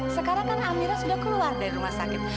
sekarang kan amira sudah keluar dari rumah sakit